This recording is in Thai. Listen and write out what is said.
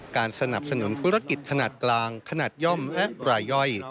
การสนับสนุนธุรกิจขนาดกลางขนาดย่อมและรายย่อย